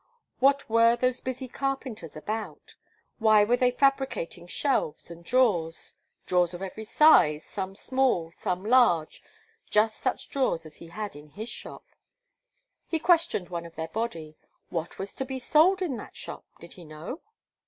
What were those busy carpenters about? why were they fabricating shelves and drawers? drawers of every size, some small, some large, just such drawers as he had in his shop? He questioned one of their body: what was to be sold in that shop did he know?